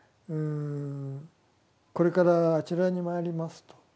これからあちらに参りますと。